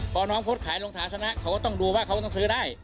พอน้องโพสต์ขายลงฐานชนะเขาก็ต้องดูว่าเขาก็ต้องซื้อได้